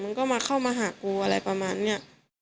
มันก็มาเข้ามาหากูอะไรประมาณนี้